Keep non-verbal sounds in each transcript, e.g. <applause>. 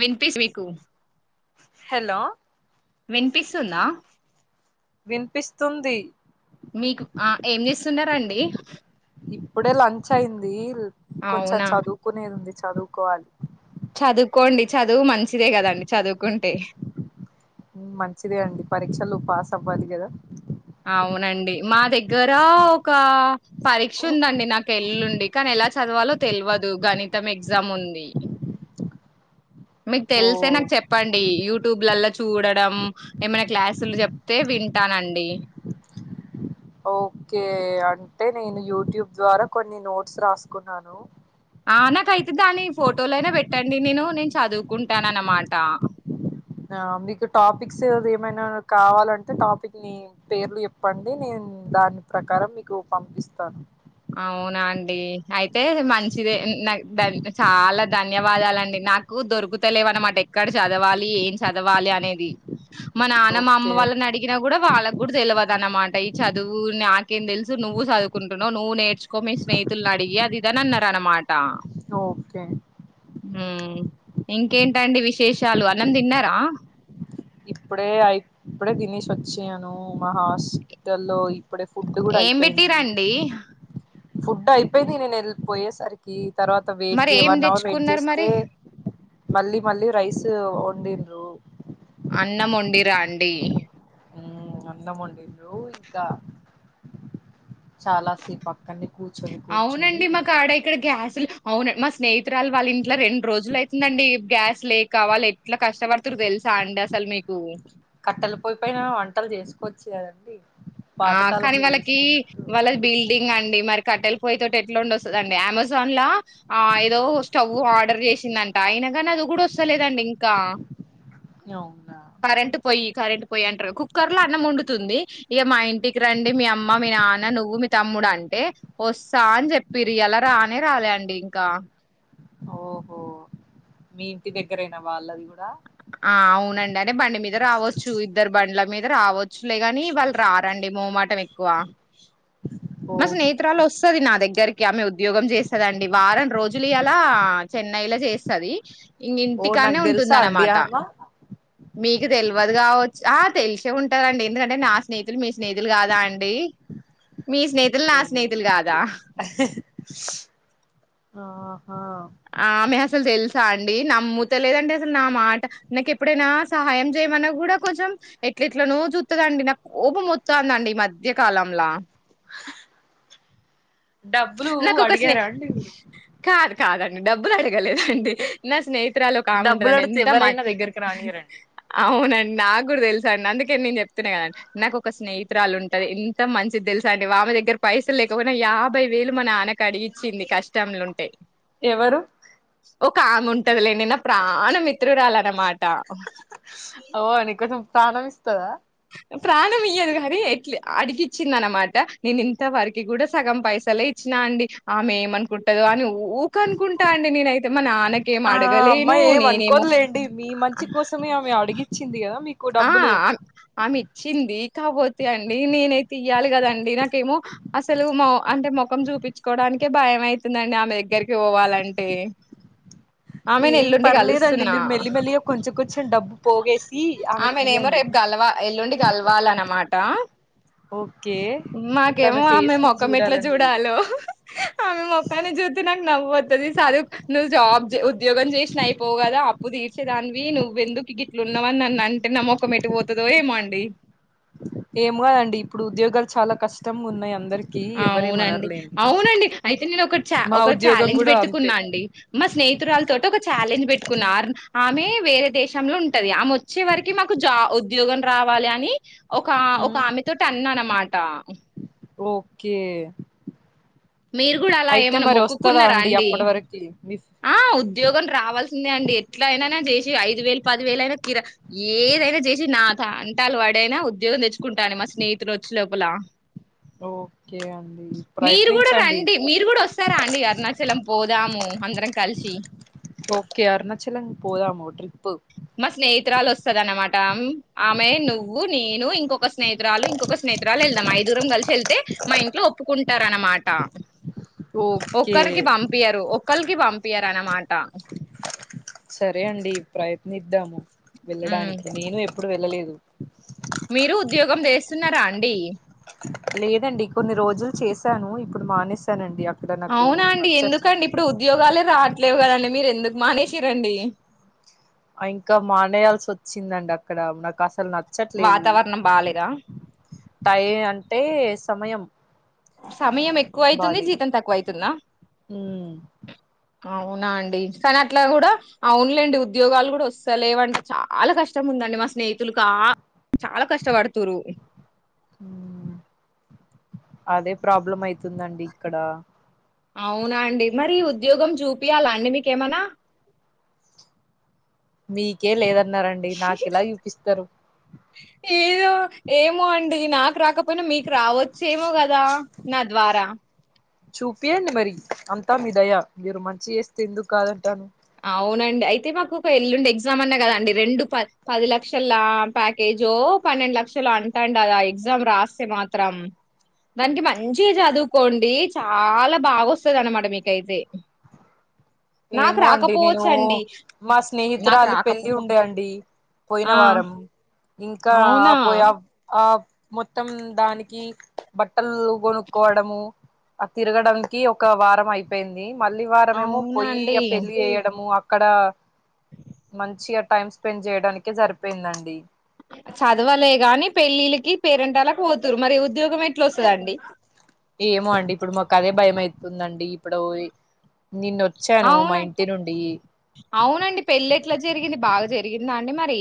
వినిపిస్ వికు హలో వినిపిస్తుందా వినిపిస్తుంది మీకు ఆ ఏం చేస్తున్నారండి ఇప్పుడే లంచ్ అయింది కొంచెం అవునా చదువుకునేది ఉంది చదువుకోవాలి చదువుకోండి చదువు మంచిదే కదండి చదువుకుంటే హ్మ్ మంచిదే అండి పరీక్షలు పాస్ అవ్వాలి కదా అవునండి మా దగ్గర ఒక పరీక్ష ఉందండి నాకు ఎల్లుండ్ డి కానీ ఎలా చదవాలో తెలివదు గణితం ఎగ్జామ్ ఉంది మీకు ఓ తెలిసే నాకు చెప్పండి యూ యూట్యూబ్లల్లా చూడడం ఏమైనా క్లాసులు చెప్తే వింటానండి ఓకే అంటే నేను యూట్యూబ్ ద్వారా కొన్ని నోట్స్ రాసుకున్నాను ఆ నాకైతే దాని ఫోటోలైనా పెట్టండి నేను నేన్ చదువుకుంటా అన్నమాట ఆ మీకు టాపిక్స్ ఏమైనా కావాలంటే టాపిక్ ని పేర్లు చెప్పండి నేన్ ఉ దాని ప్రకారం మీకు పంపిస్తాను అవునా అండి అయితే మంచిదే నాక్ దన్ చాలా ధన్యవాదాలండి నాకు దొరుకుతలేవన్నమాట ఎక్కడ చదవాలి ఏం చదవాలి అనేది మా నాన్న మా అమ్మ ఓకే వాళ్ళని అడిగినా కూడా వాళ్ళకి కూడా తెలవద్ ద అన్నమాట ఈ చదువుని నాకేం తెలుసు నువ్వు చదువుకుంటు నవ్ నువ్వు నేర్చుకో మీ స్నేహితుని అడిగి అది ఇది అన్నారు అనమాట ఓకే హ్మ్ ఇంకేంటండి విశేషాలు అన్నం తిన్నారా ఇప్పుడే అయి ఇప్పుడే తినేసి వచ్చయను మా హాస్టల్లో ఈ ఇప్పుడే ఫుడ్ కూడా ఏం అయిపోయింది పెట్టిరండి ఫుడ్ అయిపోయింది నేను వెళ్ళిపోయేసరికి తర్వాత వెయిట్ మరి ఏం చేయమన్నావ్ వెయిట్ తెచ్చుకున్నారు చేస్తే మరి మళ్ళీ మళ్ళీ రైస్ వండిండ్రు అన్నం వండిరండి ఉమ్ అన్నం వండిండ్రు ఇంకా చాలా సేపు అక్కడనే కూర్చొని కూర్చొని అవునండి మాక ఆడ ఇక్కడ గ్యాసులు అవును మా స్నేహితురాలు వాళ్ళ ఇంట్లో రెండు రోజులు అయితుందండి గ్యాస్ లేకా వాల్ ఎట్లా కష్టపడుతుర్రు తెలుసా అండి అసలు మీక్ కట్టెలు పొయ్యి పైన వంటలు చేసుకోవచ్చు కదండీ ఆ కానీ వాళ్ళకి వాళ్ళ బిల్డింగ్ అండి మరి కట్టల్ పోయి తటి ఎట్లా ఉండ వస్తుందండి అమెజాన్ లా ఆ ఏదో స్టవ్ ఆర్డర్ చేసిందంట అయిన గానీ అద్ గుడా వస్తలేదండి ఇంకా అవునా కరెంటు పోయి కరెంటు పోయి అంటారు కుక్కర్ లో అన్నం వండుతుంది ఇక మా ఇంటికి రండి మీ అమ్మ మీ నాన్న నువ్వు మీ తమ్ముడు అంటే వస్తా అని చెప్పిరి ఇయాల రానే రాలే అండి ఇంకా ఓహో మీ ఇంటి దగ్గరేనా వాళ్ళది కూడా ఆ అవునండి అనే బండి మీద రావచ్చు ఇద్దరు బండ్ల మీద రావో చులే గానీ వాళ్ళు రారండి మోమాటం ఎక్కువ మా స్నేహితురాలు ఓకే వస్తుది నా దగ్గరి కి ఆమె ఉద్యోగం చేస్తదండి వారం రోజులు ఇయాలా చెన్నైలో చేస్తుది ఇంగ్ ఓ నాకు ఇంటికాడనే తెలుసా అండి ఉంటుందన్నమాట ఆమ మీకు తెలవదు కావచ్చు ఆ తెలిసే ఉంటదండి ఎందుకంటే నా స్నేహితులు మీ స్నేహితులు కాదా అండి మీ స్నేహితులు నా స్నేహితులు కాదా ఆ ఆమె అసలు తేల్ స అండి నమ్ముతా లేదండి అసలు నా మాట నాక్ ఎప్పుడైనా సహాయం చేయమన్నా కూడా కొంచెం ఏ ట్లా ఎట్లా నో చూతుందండి నా కోపం వస్తుందండి ఈ మధ్య కాలంలా డబ్బులు నాక ఒక్క స్నేహి అడిగారా అండి కాదు కాదండి డబ్బులు అడగలేదండి నా స్నేహి తురాలు ఒక్క ఆమె డబ్బులు ఉంటదండి అడిగితే ఎంత మా ఎవరైనా దగ్గరికి రానియరండి అవునండి నాకు కూడా తెలుసు అండి అందుకే నేను చెప్తున్నా కదండి నాకు ఒక స్నేహితురాలు ఉంటది ఇంత మంచిది తెలుస అండి వామె దగ్గర పైసలు లేకపోయినా యాభై వేలు మా నాన్న అడిగిచ్చింది కష్టంలో ఉంటే ఎవరు ఒకామె ఉంటదిలే నిన్న ప్రాణ మిత్రురాల అన్నమాట ఓ నీకోసం ప్రాణం ఇస్తాదా ప్రాణం ఇయ్యదు కాని ఎట్లా అడిగిచ్చింద అనమాట నేను ఇంత వరకి కూడా సగం పైసలే ఇచ్చి నా అండి ఆమె ఏమనుకుంటాదో అని ఉ ఊక అనుకుంటా అండి నేనైతే మా నాన్నకేం ఆ అడగలేను అమ్మాయి ఏం నేనేమో అనుకోదులేండి మీ మంచి కోసమే ఆమె అడిగిచ్చింది కదా మీ ఆ ఆమె ఇచ్చింది కాకపోతే అండి నేను తీయాలి కదండి నాకేమో అసలు అంటే ముఖం చూపించుకోవడాకే భయం అయితుందండి ఆమె దగ్గరికి పోవాలంటే ఆమెను ఏం ఎల్లుండి పర్లేదండి కలుస్తున్నా మీరు మెల్లి మెల్లిగా కొంచెం కొంచెం డబ్బు పోగేసి ఆమెకి ఆమెనేమో ఇయ్యండి రేపు గలవ ఎల్లుండి గలవాల అన్నమాట ఓకే ఇప్పుడు మాకేమో ఆమె ఫేస్ నీకు మొఖం ఎట్లా చూడాలని లేదు చూడాలో అమె మొఖాన్ని జూత్తే నాకు నవ్వు వత్తది చదువు నువ్వు జాబ్ ఉద్యోగం చేయ్ అయిపోవ్ కదా అప్పు తీర్చేదానివి నువ్వు ఎందుకు గిట్లు ఉన్నావని నన్ను అంటే నా మొఖం ఎటుపోతదో ఏమో అండి ఏమో నండి ఇప్పుడు ఉద్యోగాలు చాలా కష్టం ఉన్నాయి అందరికి అవునండి ఎవరేమనరులేండి అవునండి అయితే నేను ఒక చా మా ఒక ఉద్యోగం ఛాలెంజ్ కూడా అంతే పెట్టుకున్నా అండి మా స్నేహి హితురాలు తోటి ఒక ఛాలెంజ్ పెట్టుకున్నా ఆమె వేరే దేశంలో ఉంటది ఆమె వచ్చే వరకి మాకు జా ఉద్యోగం రావ ఇవ్వాలి అని ఒక ఒక ఆమె తోటి అన్నా అనమాట ఓకే మీరు కూడా అలా అయితే ఏమన్నా మరి వస్తదా మొక్కుకున్నారా అండి అప్పటి వరకు ఆ ఉద్యోగం రావాల్సిందే అండి ఎట్లా అయిననా చేసి ఐదు వేలు పది వేల అయినా కిరా ఏదైనా చేసి నా తంటాలు పడైనా ఉద్యోగం తెచ్చుకుంటాను మా స్నేహితులు వచ్చే లోపల ఓకే అండి మీరు కూడా ప్రయత్నించండి రండి మీరు కూడా వస్తారా అండి అరుణాచలం పోదాము అ ఓకే అరుణాచలం పోదాము ట్రిప్పు మా స్నేహితురాలు వస్తద అన్నమాట ఆమె నువ్వు నేను ఇంకొక స్నేహితురాలు ఇంకొక స్నేహి తురాలు వెళ్దాం ఐదుగురం కలిసి వెళ్తే మా ఇంట్లో ఒప్పుకుంటారు అన్నమాట ఓకే ఒకరికి పంపియ్యరు ఒకళ్ళికి పంపియ్యరు అన్నమాట సరే అండి ప్రయత్నిద్దాము వెళ్ళడానికి నేను ఎప్పుడు వెళ్ళలేదు మీరు ఉద్యోగం చేస్తున్నారా అండి లేదండి కొన్ని రోజులు చేశాను ఇప్పుడు మానేసానండి అ అవునా అండి ఎందుకండి ఇప్పుడు ఉద్యోగాలే రా ట్లేవు కదండి మీరు ఎందుకు మానేసిరండి ఆ ఇంకా మానేయాల్సి వచ్చిందండి అక్కడ నాకు అసలు నచ్చట్లేదు వాతావరణం బాలేదా టై అంటే సమయం సమయం ఎక్కువ అయితుంది బాలేదు జీతం తక్కువ అయితుందా ఉమ్ అవునా అండి కానీ అట్లా కూడా అవునులేండి ఉద్యోగాలు కూడా వస్తాలేవంటే చాలా కష్టం ఉంది నన్ని మా స్నేహితులు కా చాలా కష్టపడుతుర్రు ఉమ్ అదే ప్రాబ్లం అయితుందండి ఇక్కడ అవునా అండి మరి ఉద్యోగం చూపియాలా అండి మీకేమనా మీకే లేదన్నారండి నాకెలా చూపిస్తారు ఏదో ఏమో అండి నాకు రాక పోయినా మీకు రావచ్చేమో కదా నా ద్వారా చూపియండి మరి అంతా మీ దయ మీరు మంచి చేస్తే ఎందుకు కాదంటాను అవునండి అయితే మాకు ఒక ఎల్లుండి ఎగ్జామ్ అన్నా కదాండి రెండు ప పది లక్షల ప్యాకేజ్ జో పన్నెండు లక్షలు అంటాండ ఆద ఆ ఎగ్జామ్ రాస్తే మాత్రం దానికి మంచి చదువుకోండి చాలా బాగా వస్తది అనమాట మీకైతే నాకు ఏమో అండి నేను రాకపోవచ్చండి. మా నాకు స్నేహితురాలి రాకపో పెళ్ళి ఉండే అండి పోయిన ఆ వారం ఇంకా ఆ అవునా పోయి ఆ మొత్తం దానికి బట్టలు కొనుక్కోవడము ఆ తిరగడానికి ఒక వారం అయిపోయింది మళ్ళీ వారమేమో అవునా పొయ్యి అండి. ఆ పెళ్లి చేయడము అక్కడ మంచిగా టైమ్ స్పెండ్ చేయడానికే సరిపోయిందండి. అంతేగా చదవలే గాని పెళ్ళిల్కి పేరెంటాలకి పోతురు మరి ఉద్యోగమేట్ల వస్తదండి. ఏమో అండి ఇప్పుడు మాకదే భయమైతుందండి ఇప్పుడోయి అవునం అవునండి పెళ్ళెట్ల జరిగింది బాగా జరిగిందా అండి మరి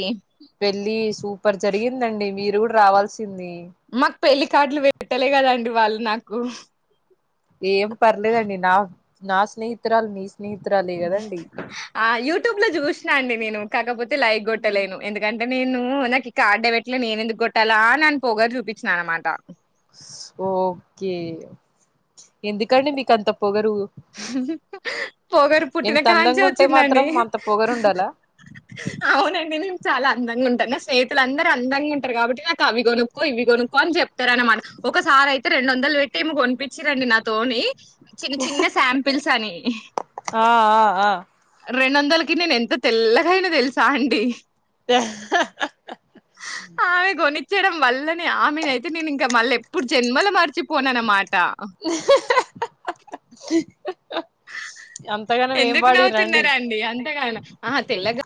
పెళ్లి సూపర్ జరిగిందండి మీరు కూడా రావాల్సి మాకు పెళ్లికార్డ్లు పెట్టలే కదండి వాళ్ళు నాకు ఏం పర్లేదండి నా నా స్నేహితురాలు నీ ఆ యూట్యూబ్ లో చూసినా అండి నేను కాకపోతే లైక్ కొట్టలేను ఎందుకంటే నేను నాకి కార్డే బెట్లే నేనెందుకు కొట్టాలా అని పోగరు చూపి చ్నమాట ఓకే. ఎందుకండి మీకంత పొగరు పొగరు ఎంత పుట్టినకాంచే అందంగా ఉంటే వచ్చిందండి. మాత్రం అంత పొగరు ఉండాలా అవునండి నేను చాలా అందంగా ఉం ట నా స్నేహితులందరూ అందంగుంటరు కాబట్టి నాకు అవి కొనుక్కో ఇవి కొనుక్కో అని చెప్తారనమాట ఒకసారి అయితే రె రెండు వందలు పెట్టి కొనిపిచ్చిరండి నాతోనీ చిన్న చిన్న తెలుసని ఆ ఆ ఆ రెండొందలకి నేనెంత తెల్లగైనా తెలుసా అండి. ఇచ్చడం వల్లనే ఆమెనయితే నేనింక మల్లెప్పుడు జన్మలో మరిచిపోననమాట్ అంతగానం ఏం ఎందుకు పాడిరండి నవ్వుతున్నారాండి అంతగాన ఆహా తెల్లగా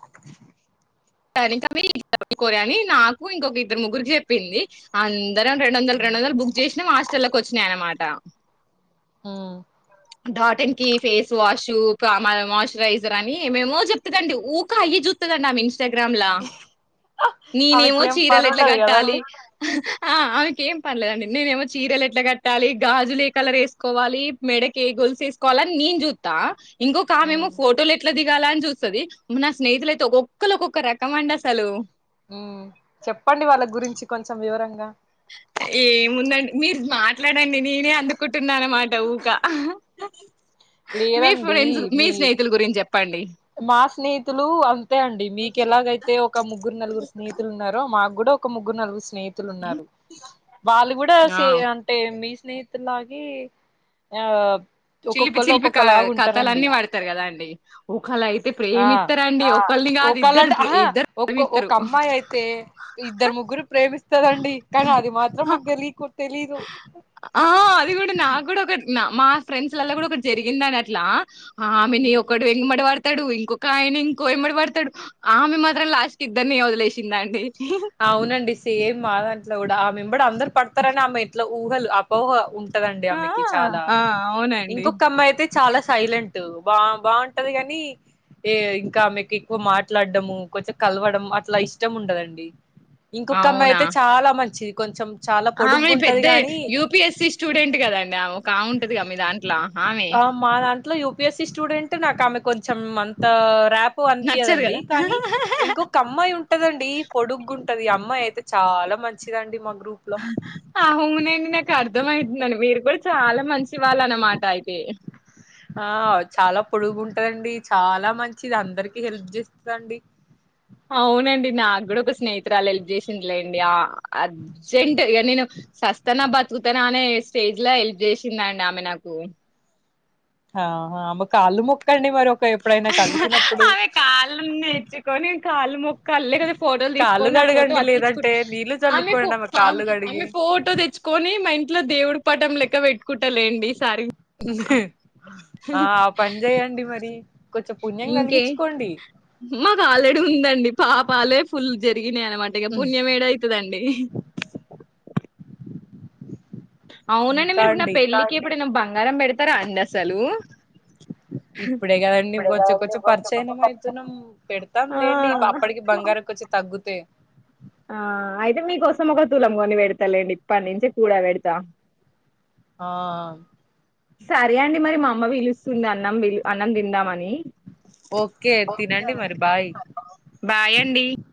<unintelligible> కోరని నాకు ఇంకొక ఇద్దరు ముగ్గురికి చెప్పింది అం దరం రెండు వందల్ రెండు వందల్ బుక్ చేసినం హాస్టల్లకు వచ్చినాయనమాట ఆ డాటిన్ కి ఫేస్ వాష్ కామ మాశ్చరైజర్ అని ఏమేమో చెప్తదండి ఊకా అయి చుత్తదండామె ఇంస్టాగ్రామ్ల నేనేమో ఆమెకి ఏం పని చీరలేట్ల ఉండదు కట్టాలి. కదండి ఆ ఆమెకేం పన్లేదండి నేనేమో చీరలు ఎట్లా గట్టాలి గాజులేకలర్ వేసుకోవాలి మెడకేగో గోలుసేసుకోవాలని నేన్ చూత్తా ఇంకొక ఆమెమో ఉమ్, ఫోటోలేట్ల దిగాలని చూస్తది. నా స్నేహితులైతే ఒకోక్ ఒక్కలోకోక్క రక మండసలు మ్మ్ చెప్పండి వాళ్ళ గురించి కొంచెం వివరంగా అ ఏముందండి మీరు మాట్లాడండి నేనే అందుకుంటున్నా నన్నమాట ఊకా మీ ఫ్రెండ్స్ మీ స్నేహితుల గురించి చెప్ప మా స్నేహితులు అంతే అండి మీకు ఎలాగైతే ఒక ముగ్గురు నలుగురు స్నేహితులున్నారో మాక్ క్కూడా ఒక ముగ్గురు నలుగు స్నేహితులున్నారు వాళ్ళు కూడా ఆ సే అంటే మీ స్నేహితుల్లాగే ఆ చిలిపి ఒక్కొక్కళ్ళు చిలిపి క ఒక్కొక్కలాగా ఉంటారండి కథలన్నీ పడతరు కదండి. ఒకళ్ళైతే ఆ ప్రేమిత్తరండి. ఒకళ్ళంటే ఆహా ఒకో ఒక అమ్మాయయితే ఇద్దరు ముగ్గుర్ని ప్రేమిస్తదండి. కానీ అది మాత్రం మాక్ తేలికుం ఆ అది కూడా నాక్కూడా ఒక నాక్ మా ఫ్రెండ్స్ లల్లా కూడా ఒకటే జరిగిందని అట్లా ఆమెని ఒకడు ఎంబడువడుతడు. ఒక ఆయన ఇంకోయమ్మడి పడతడు. ఆమె మాత్రం లాస్ట్కిద్దరిని వదిలేసిందండి. అవునండి సేమ్ మా దాంట్లో కూడా ఆమే ఎంబడి అందర్ పడతరని ఆమె ఎట్ల ఊహల్ అపోహ ఉం టదండి ఆ ఆమెకి చాలా ఆ అవునండి ఇంకొక్కఅమ్మాయి అయితే చాలా సైలెంట్ బా బబాంటది కానీ ఏ ఇంక ఆమేకు ఎక్కువ మాట్లాడ్డము కొంచెం కలవడం అట్ల ఇష్టం ఉండదండి. ఇంకొక్క అమ్మాయి అవునా అయితే చాలా మంచిది కొంచెం చాలా ఆమె పొడుగ్గుంటది పెద్ద గాని యూపిఎస్సి స్టూడెంట్ కదండి అమోకా బావుంటదిగా మీ దాంట్లో ఆమె ఇట్ల యూపిఎస్సి స్టూడెంట్ నాకు ఆమె కొంచెం అంత రప్ ఎక్కువ నచ్చదు అనిపియదండి కదా కానీ ఇంకొక అమ్మాయి ఉంటదండి పొడుగు టది అమ్మాయి అయితే చాలా మంచిదండి మా గ్రూప్ లో అవునండి నాక్ అర్ద అర్ధమయితుంది అండి మీరు కూడా చాలా మంచి వాళ్ళు అనమాట అయితే ఆ చాలా పొడుగు ఉంటదండి చాలా మంచిది అందరికి హెల్ప్ చేస్తది అండి అవునండి నా కూడా ఒక స్నేహితురాలు హెల్ప్ చేసింది లేండి ఆ అర్జెంట్ నేను సస్తానా బతుకుతానా అనే స్టేజ్ లో హెల్ప్ చేసిందండి ఆమె నాకు ఆ ఆమె కాలు మొక్కండి మరి ఒక ఎప్పుడైనా కలిసినప్పుడు అవి కాళ్ళు నేర్చుకొని కాళ్ళు ముక్కాలి లేకపోతే ఫోటోలు తీస్ కాళ్ళు కోని ఆ ఫోటో కడగండి అతికిచ్చు లేదంటే నీళ్లు ఆమె ఫో చల్లుకోండి కాళ్ళు ఆమె కడిగి ఫోటో తెచ్చుకొని మా ఇంట్ ఇంట్లో దేవుడి పఠం లెక్క పెట్టుకుంటాలేండి ఆ ఆ పని చెయ్యండి మరి కొంచెం పుణ్యం ఇంకే కలిగించుకోండి మాకు ఆల్రెడీ ఉందండి పాపాలే ఫుల్ ఇనే అనమాట ఇంగ పుణ్యం ఏడ అయితదండి అవునండి ఇంకా మీరు ఇప్పుడు నా అండి పెళ్ళికి ఎప్పుడైనా బంగారం పెడతారా అండి అసలు ఇప్పుడే కదండి కొంచం కొంచం పరిచయనం అవుతున్నాం పెడతాం ఆ లేండి అప్పటికి బంగారం కొంచం త తగ్గుతే ఆ అయితే మీకోసం ఒక తులం కొని పెడతాలేండి ఇప్పటి నుంచే కూడ పెడతా ఆ సరే అండి మరి మా అమ్మ పిలుస్తుంది అన్నం అన్నం తిందామని ఓకే తినండి మరి బాయ్ బాయ్ అండి